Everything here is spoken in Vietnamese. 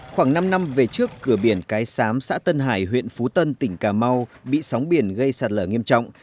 khoảng năm năm về trước cửa biển cái sám xã tân hải huyện phú tân tỉnh cà mau bị sóng biển gây sạt lở nghiêm trọng